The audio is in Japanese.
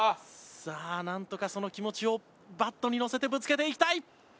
さあなんとかその気持ちをバットにのせてぶつけていきたい。